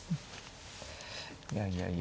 いやいやいや。